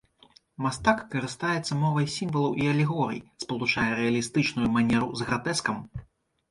Мастак карыстаецца мовай сімвалаў і алегорый, спалучае рэалістычную манеру з гратэскам.